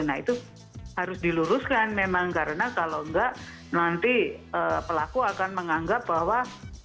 nah itu harus diluruskan memang karena kalau enggak nanti pelaku akan menganggap bahwa